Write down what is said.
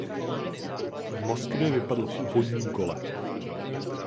V Moskvě vypadl v úvodním kole.